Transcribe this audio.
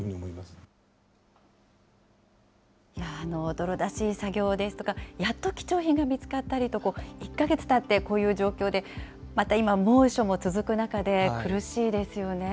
泥出し作業ですとか、やっと貴重品が見つかったりと、１か月たってこういう状況で、また今、猛暑も続く中で、苦しいですよね。